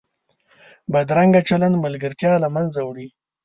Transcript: بدرنګه چلند ملګرتیا له منځه وړي